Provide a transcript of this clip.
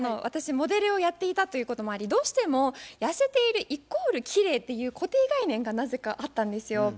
私モデルをやっていたということもありどうしても痩せているイコールきれいっていう固定概念がなぜかあったんですよ。